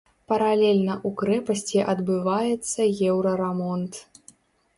Паралельна ў крэпасці адбываецца еўрарамонт.